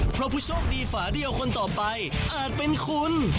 เพราะผู้โชคดีฝาเดียวคนต่อไปอาจเป็นคุณ